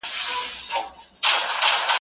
بد ياران په بده ورځ په کارېږي